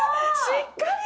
しっかり！